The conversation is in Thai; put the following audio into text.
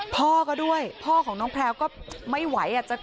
พ่อก็ด้วยพ่อของน้องแพลวก็ไม่ไหว